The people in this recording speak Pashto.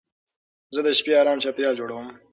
زه د شپې ارام چاپېریال جوړوم.